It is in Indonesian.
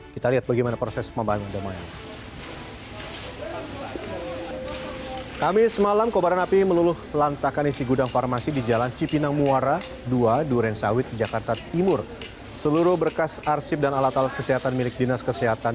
kita lihat bagaimana proses pembangunan demaya